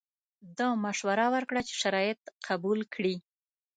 ده مشوره ورکړه چې شرایط قبول کړي.